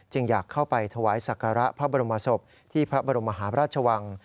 อยากเข้าไปถวายศักระพระบรมศพที่พระบรมหาพระราชวัง